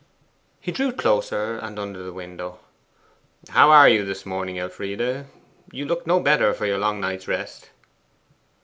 He drew closer, and under the window. 'How are you this morning, Elfride? You look no better for your long night's rest.